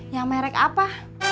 yang merek apa